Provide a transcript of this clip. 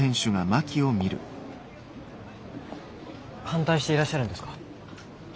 反対していらっしゃるんですか？